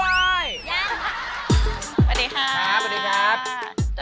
สวัสดีค่ะสวัสดีครับสวัสดี